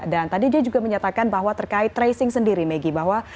dan tadi dia juga menyatakan bahwa terkait tracing sendiri megi